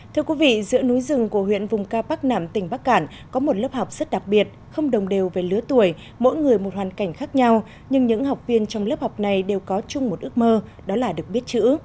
thưa quý vị giữa núi rừng của huyện vùng cao bắc nẵm tỉnh bắc cản có một lớp học rất đặc biệt không đồng đều về lứa tuổi mỗi người một hoàn cảnh khác nhau nhưng những học viên trong lớp học này đều có chung một ước mơ đó là được biết chữ